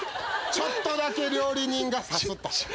ちょっとだけ料理人が刺すと。